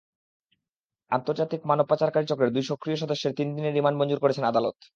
আন্তর্জাতিক মানবপাচারকারী চক্রের দুই সক্রিয় সদস্যের তিন দিনের রিমান্ড মঞ্জুর করেছেন আদালত।